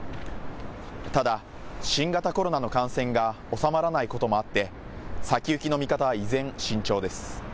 ただ新型コロナの感染が収まらないこともあって先行きの見方は依然、慎重です。